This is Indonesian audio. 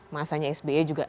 masanya sbe juga